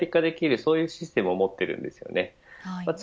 そういうシステムを持っているんです。